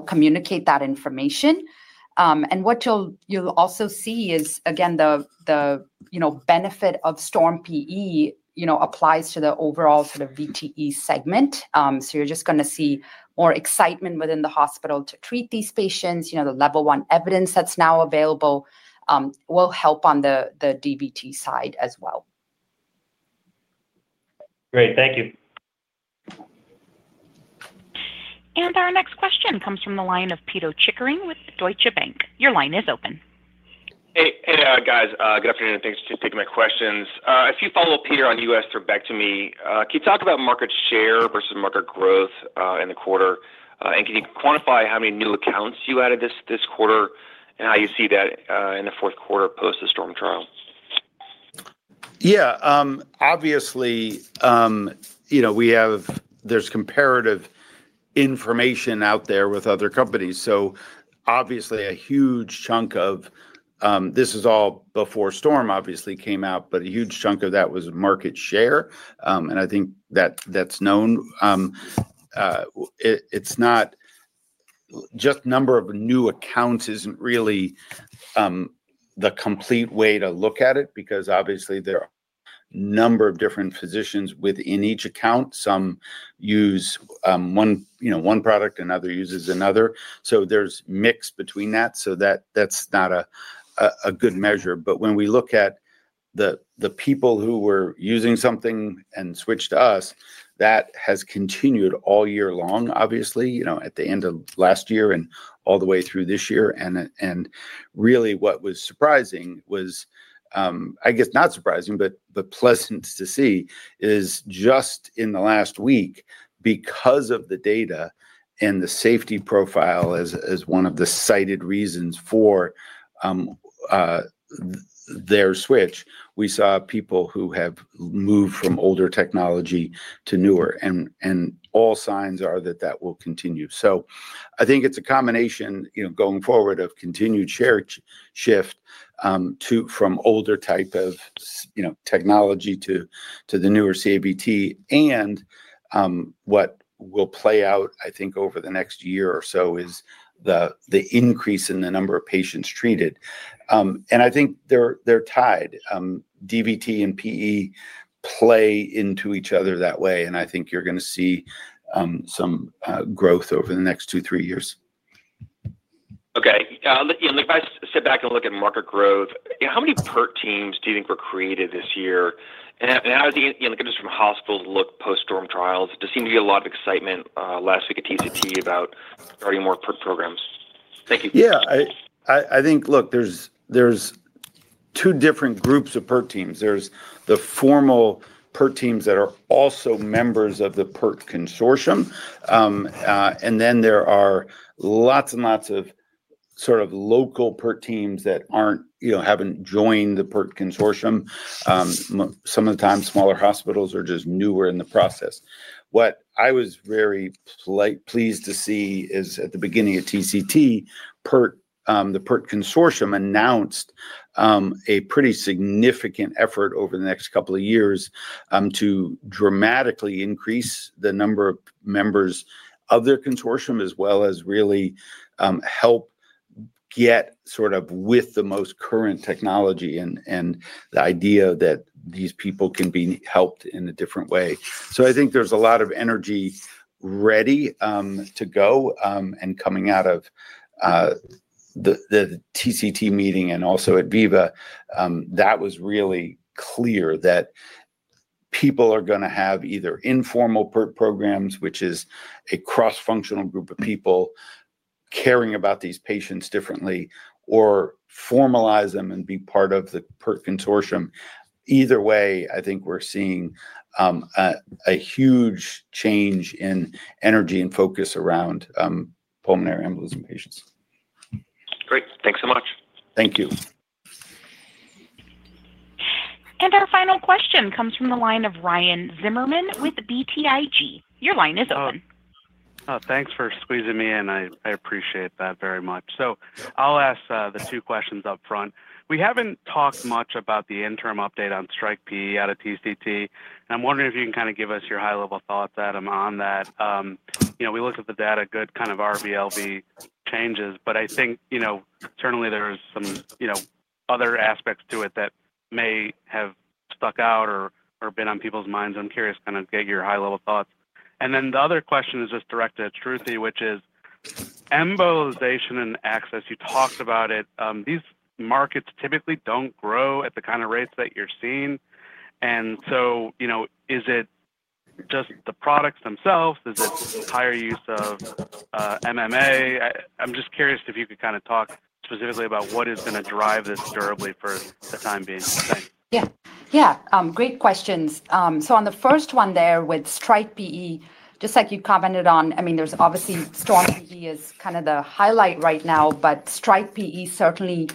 communicate that information. What you'll also see is, again, the benefit of STORM-PE applies to the overall sort of VTE segment. You're just going to see more excitement within the hospital to treat these patients. The level one evidence that's now available will help on the DVT side as well. Great. Thank you. Our next question comes from the line of Pito Chickering with Deutsche Bank. Your line is open. Hey, guys. Good afternoon. Thanks for taking my questions. A few follow-ups here on U.S. thrombectomy. Can you talk about market share versus market growth in the quarter? Can you quantify how many new accounts you added this quarter and how you see that in the fourth quarter post the Storm trial? Yeah. Obviously. There's comparative information out there with other companies. Obviously, a huge chunk of this is all before Storm, obviously, came out, but a huge chunk of that was market share. I think that that's known. It's not just the number of new accounts isn't really the complete way to look at it because, obviously, there are a number of different physicians within each account. Some use one product, another uses another. There's mix between that. That's not a good measure. When we look at the people who were using something and switched to us, that has continued all year long, obviously, at the end of last year and all the way through this year. What was surprising was. I guess not surprising, but pleasant to see, is just in the last week, because of the data and the safety profile as one of the cited reasons for their switch, we saw people who have moved from older technology to newer. All signs are that that will continue. I think it's a combination going forward of continued share shift from older type of technology to the newer CAVT. What will play out, I think, over the next year or so is the increase in the number of patients treated. I think they're tied. DVT and PE play into each other that way. I think you're going to see some growth over the next two, three years. Okay. If I sit back and look at market growth, how many PERT teams do you think were created this year? And how does it look from hospital look post-Storm trials? It does seem to be a lot of excitement last week at TCT about starting more PERT programs. Thank you. Yeah. I think, look, there's two different groups of PERT teams. There's the formal PERT teams that are also members of the PERT consortium. And then there are lots and lots of sort of local PERT teams that haven't joined the PERT consortium. Some of the time, smaller hospitals are just newer in the process. What I was very pleased to see is, at the beginning of TCT, the PERT consortium announced a pretty significant effort over the next couple of years to dramatically increase the number of members of their consortium, as well as really help get sort of with the most current technology and the idea that these people can be helped in a different way. I think there's a lot of energy ready to go. Coming out of the TCT meeting and also at Viva, that was really clear that. People are going to have either informal PERT programs, which is a cross-functional group of people caring about these patients differently, or formalize them and be part of the PERT consortium. Either way, I think we're seeing a huge change in energy and focus around pulmonary embolism patients. Great. Thanks so much. Thank you. Our final question comes from the line of Ryan Zimmerman with BTIG. Your line is open. Thanks for squeezing me in. I appreciate that very much. I'll ask the two questions up front. We haven't talked much about the interim update on STRIKE-PE out of TCT. I'm wondering if you can kind of give us your high-level thoughts on that. We looked at the data, good kind of RVLV changes. I think certainly there are some other aspects to it that may have stuck out or been on people's minds. I'm curious to get your high-level thoughts. The other question is just directed at Shruthi, which is embolization and access. You talked about it. These markets typically don't grow at the kind of rates that you're seeing. Is it just the products themselves? Is it higher use of MMA? I'm just curious if you could kind of talk specifically about what is going to drive this durably for the time being. Thanks. Yeah. Yeah. Great questions. On the first one there with STRIKE-PE, just like you commented on, I mean, there's obviously STORM-PE is kind of the highlight right now, but STRIKE-PE certainly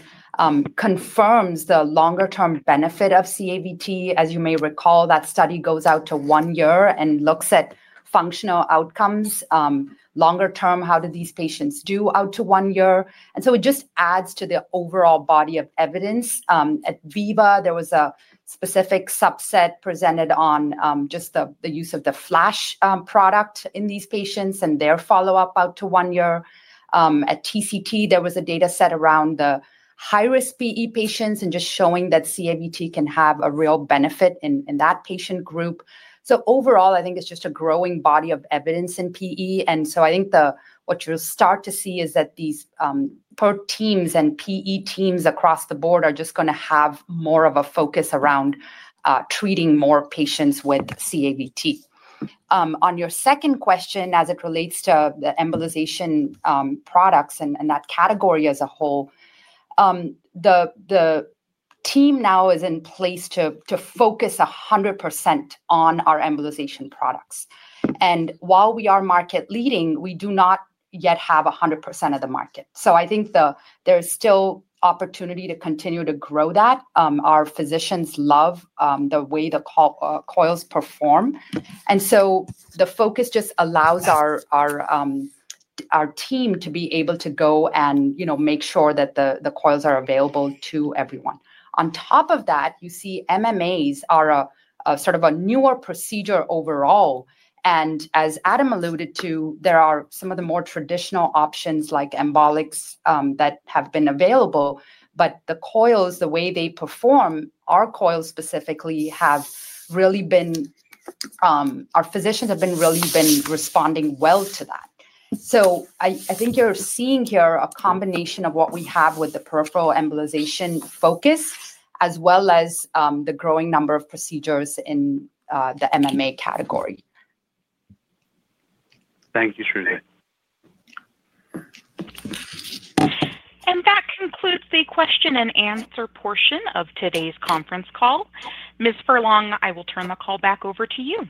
confirms the longer-term benefit of CAVT. As you may recall, that study goes out to one year and looks at functional outcomes. Longer term, how do these patients do out to one year? It just adds to the overall body of evidence. At Viva, there was a specific subset presented on just the use of the Flash product in these patients and their follow-up out to one year. At TCT, there was a data set around the high-risk PE patients and just showing that CAVT can have a real benefit in that patient group. Overall, I think it's just a growing body of evidence in PE. I think what you'll start to see is that these PERT teams and PE teams across the board are just going to have more of a focus around treating more patients with CAVT. On your second question, as it relates to the embolization products and that category as a whole, the team now is in place to focus 100% on our embolization products. While we are market leading, we do not yet have 100% of the market. I think there's still opportunity to continue to grow that. Our physicians love the way the coils perform. The focus just allows our team to be able to go and make sure that the coils are available to everyone. On top of that, you see MMAs are sort of a newer procedure overall. As Adam alluded to, there are some of the more traditional options like embolics that have been available. The coils, the way they perform, our coils specifically have really been. Our physicians have really been responding well to that. I think you're seeing here a combination of what we have with the peripheral embolization focus, as well as the growing number of procedures in the MMA category. Thank you, Shruthi. That concludes the question-and-answer portion of today's conference call. Ms. Furlong, I will turn the call back over to you.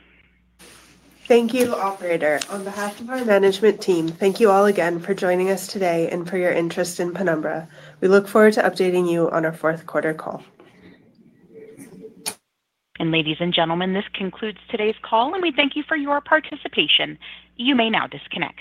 Thank you, Operator. On behalf of our management team, thank you all again for joining us today and for your interest in Penumbra. We look forward to updating you on our fourth quarter call. Ladies and gentlemen, this concludes today's call, and we thank you for your participation. You may now disconnect.